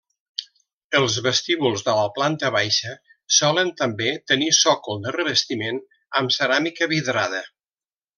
Els vestíbuls de la planta baixa solen també tenir sòcol de revestiment amb ceràmica vidrada.